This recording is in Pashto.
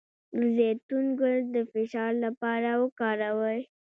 د زیتون ګل د فشار لپاره وکاروئ